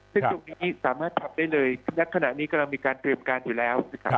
ซึ่งตรงนี้สามารถทำได้เลยณขณะนี้กำลังมีการเตรียมการอยู่แล้วนะครับ